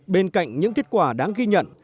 bên cạnh những kết quả đáng ghi nhận